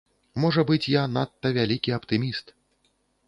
Можа быць, я надта вялікі аптыміст.